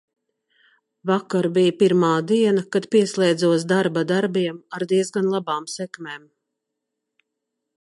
Vakar bija pirmā diena, kad pieslēdzos darba darbiem ar diezgan labām sekmēm.